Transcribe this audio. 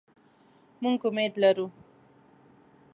مونږ امید لرو